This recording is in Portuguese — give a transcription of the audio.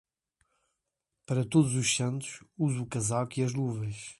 Para Todos os Santos, use o casaco e as luvas.